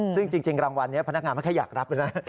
ซึ่งจริงรางวัลนี้พนักงานไม่ค่อยอยากรับแล้วนะ